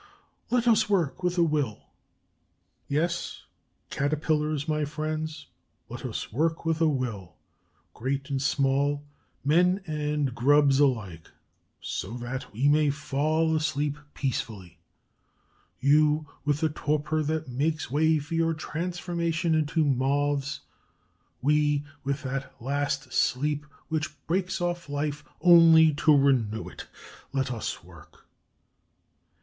Let us work with a will!" Yes, Caterpillars, my friends, let us work with a will, great and small, men and grubs alike, so that we may fall asleep peacefully; you with the torpor that makes way for your transformation into Moths, we with that last sleep which breaks off life only to renew it. Let us work!